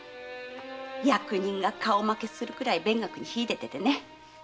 役人が顔負けするくらい勉学に秀でててね。